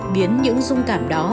biến những dung cảm đó